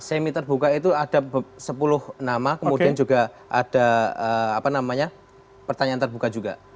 semi terbuka itu ada sepuluh nama kemudian juga ada pertanyaan terbuka juga